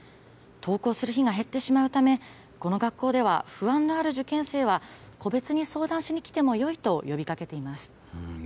登校する日が減ってしまうため、この学校では不安のある受験生は、個別に相談しに来てもよいと呼びかけています。